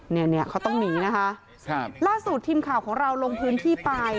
เนี่ยเนี่ยเขาต้องหนีนะคะครับล่าสุดทีมข่าวของเราลงพื้นที่ไป